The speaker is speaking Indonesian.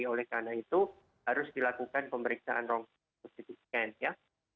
oleh karena itu harus dilakukan pemeriksaan rongseng positif scan ya